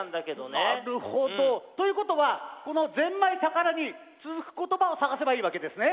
なるほど。ということはこの「ぜんまい宝」につづくことばをさがせばいいわけですね。